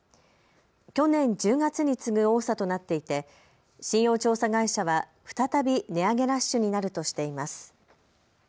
去年１０月に次ぐ多さとなっていて信用調査会社は再び値上げラッシュになるとしています。